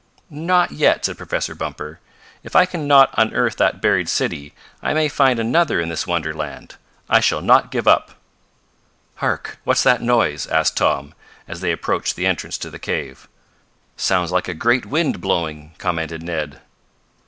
"Not yet," said Professor Bumper. "If I can not unearth that buried city I may find another in this wonderland. I shall not give up." "Hark! What's that noise?" asked Tom, as they approached the entrance to the cave. "Sounds like a great wind blowing," commented Ned.